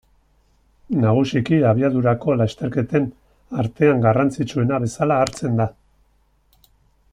Nagusiki, abiadurako lasterketen artean garrantzitsuena bezala hartzen da.